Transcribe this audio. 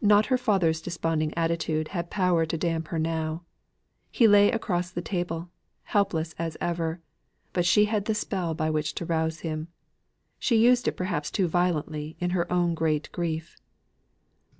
Not her father's desponding attitude had power to damp her now. He lay across the table, helpless as ever; but she had the spell by which to rouse him. She used it perhaps too violently in her own great relief.